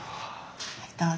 どうぞ。